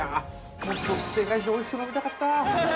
◆もっと正解して、おいしく飲みたかった。